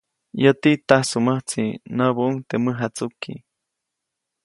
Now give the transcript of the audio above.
Yäti, tajsuʼmäjtsi, nyäbuʼuŋ teʼ mäjatsuki.